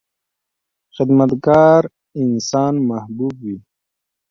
• خدمتګار انسان محبوب وي.